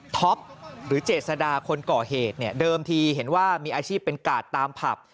หรือเจษดาคนก่อเหตุเนี่ยเดิมทีเห็นว่ามีอาชีพเป็นกาดตามผับ